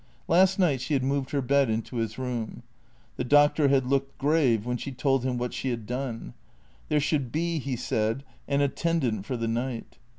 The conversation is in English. Last night she had moved her bed into his room. The doctor had looked grave when she told him what she had done. There should be, he said, an attendant for the night.